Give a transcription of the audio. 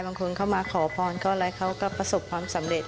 เข้ามาขอพรเขาอะไรเขาก็ประสบความสำเร็จ